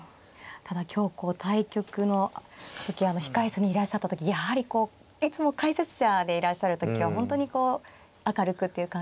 ただ今日こう対局の時控え室にいらっしゃった時やはりこういつも解説者でいらっしゃる時は本当にこう明るくっていう。